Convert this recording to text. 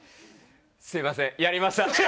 すいませんやりました。